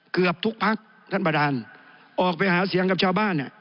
เกือบทุกพักท่านประธานออกไปหาเสียงกับชาวบ้านเนี่ย